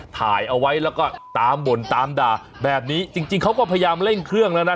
ถ่ายเอาไว้แล้วก็ตามบ่นตามด่าแบบนี้จริงจริงเขาก็พยายามเร่งเครื่องแล้วนะ